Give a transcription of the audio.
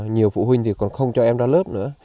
nhiều phụ huynh thì còn không cho em ra lớp nữa